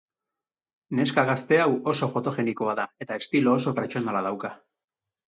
Neska gazte hau oso fotogenikoa da eta estilo oso pertsonala dauka.